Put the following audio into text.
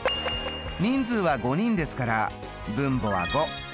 人数は５人ですから分母は５。